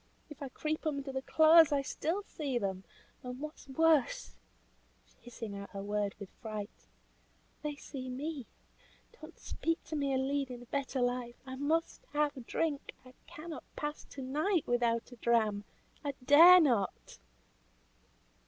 If I creep under the clothes I still see them; and what is worse," hissing out her words with fright, "they see me. Don't speak to me of leading a better life I must have drink. I cannot pass to night without a dram; I dare not."